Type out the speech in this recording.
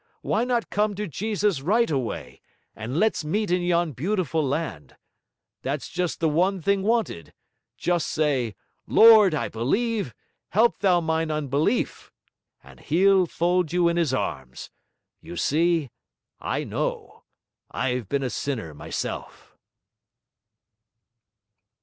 why not come to Jesus right away, and let's meet in yon beautiful land? That's just the one thing wanted; just say, Lord, I believe, help thou mine unbelief! And He'll fold you in His arms. You see, I know! I've been a sinner myself!'